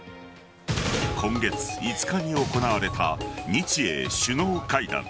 今月５日に行われた日英首脳会談。